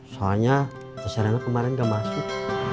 soalnya t serena kemarin gak masuk